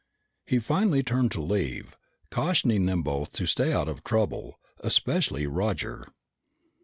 He finally turned to leave, cautioning them both to stay out of trouble, especially Roger.